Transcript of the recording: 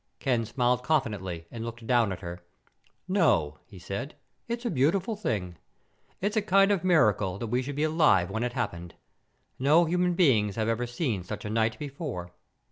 Ken smiled confidently and looked down at her. "No," he said. "It's a beautiful thing. It's a kind of miracle that we should be alive when it happened. No human beings have ever seen such a sight before."